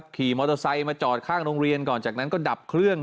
ขี่มอเตอร์ไซค์มาจอดข้างโรงเรียนก่อนจากนั้นก็ดับเครื่อง